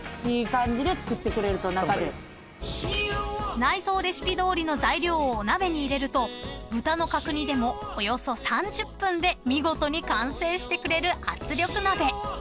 ［内蔵レシピどおりの材料をお鍋に入れると豚の角煮でもおよそ３０分で見事に完成してくれる圧力鍋］